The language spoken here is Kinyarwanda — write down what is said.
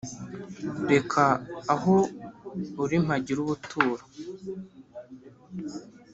Reka aho uri mpagire ubuturo